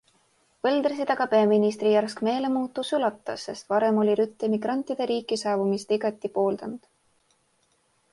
Wildersit aga peaministri järsk meelemuutus üllatas, sest varem oli Rutte migrantide riiki saabumist igati pooldanud.